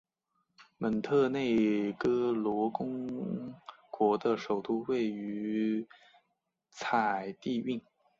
蒙特内哥罗公国的首都位于采蒂涅。